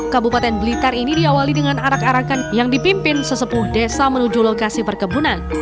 kabupaten blitar ini diawali dengan arak arakan yang dipimpin sesepuh desa menuju lokasi perkebunan